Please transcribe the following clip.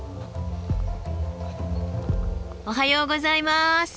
おはようございます。